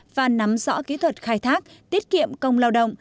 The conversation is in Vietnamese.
và nắm rõ kỹ thuật khai thác tiết kiệm công lao động